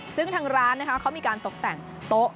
ซึ่งทั้งร้านใช่ไหมคะเขามีการตกแต่งโต๊ะ